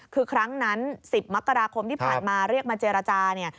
คือครั้งนั้น๑๐มกราคมที่ผ่านมาเรียกมาเจรจาเนี่ย